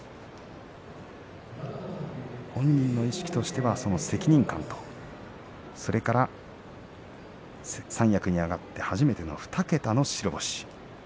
本人の意識としてはその責任感とそれから三役に上がって初めての２桁の白星。